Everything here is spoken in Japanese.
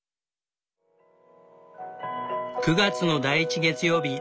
９月の第１月曜日